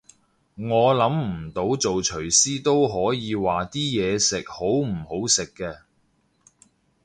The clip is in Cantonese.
我諗唔做廚師都可以話啲嘢食好唔好食嘅